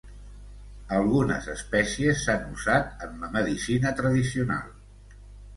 Algunes espècies s'han usat en la medicina tradicional.